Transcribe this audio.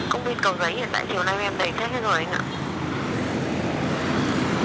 công viên cầu giấy thì hôm nay em đầy khách hết rồi anh ạ